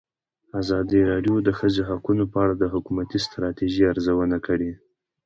ازادي راډیو د د ښځو حقونه په اړه د حکومتي ستراتیژۍ ارزونه کړې.